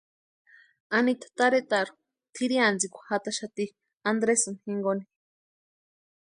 Anita tarhetarhu tʼirhiantsikwa jataxati Andresini jinkoni.